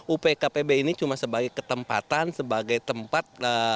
upkpb ini cuma sebagai ketempatan sebagai tempat